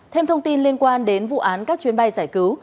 thêm thông tin liên quan đến vụ án các chuyến bay giải cứu